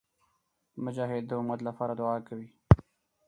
مجاهد د امت لپاره دعا کوي.